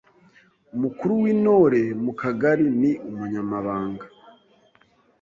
Umukuru w’Intore mu Kagari ni Umunyamabanga